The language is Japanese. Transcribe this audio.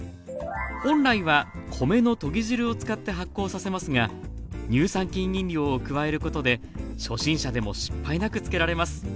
本来は米のとぎ汁を使って発酵させますが乳酸菌飲料を加えることで初心者でも失敗なく漬けられます。